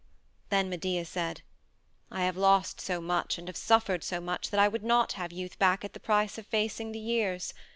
Then Medea said: "I have lost so much and have suffered so much that I would not have youth back at the price of facing the years.